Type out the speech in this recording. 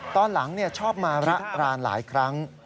ตอนหลังชอบมาระรานหลายครั้ง